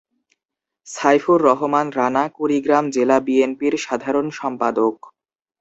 সাইফুর রহমান রানা কুড়িগ্রাম জেলা বিএনপির সাধারণ সম্পাদক।